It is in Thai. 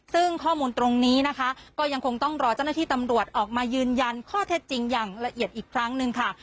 ซึ่งข้อมูลตรงนี้นะคะก็ยังคงต้องรอเจ้าหน้าที่ตำรวจออกมายืนยันข้อเท็จจริงอย่างละเอียดอีกครั้งหนึ่งค่ะ